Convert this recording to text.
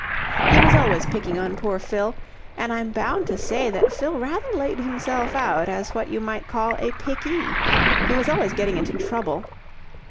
"He was always picking on poor Fill. And I'm bound to say that Fill rather laid himself out as what you might call a pickee. He was always getting into trouble.